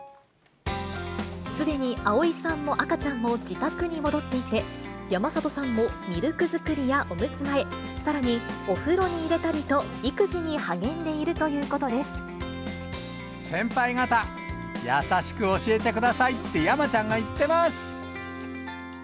すでに蒼井さんも赤ちゃんも自宅に戻っていて、山里さんも、ミルクづくりやおむつ替え、さらにお風呂に入れたりと、先輩方、優しく教えてくださいって山ちゃんが言ってます。